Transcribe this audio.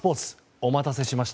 お待たせしました。